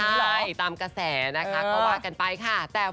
ใช่ตามกระแสนะคะก็ว่ากันไปค่ะ